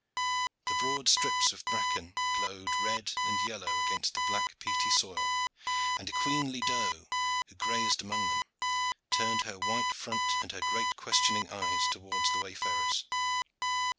The broad strips of bracken glowed red and yellow against the black peaty soil, and a queenly doe who grazed among them turned her white front and her great questioning eyes towards the wayfarers.